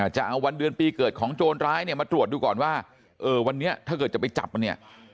จะเอาวันเดือนปีเกิดของโจรร้ายเนี่ยมาตรวจดูก่อนว่าวันนี้ถ้าเกิดจะไปจับมันเนี่ย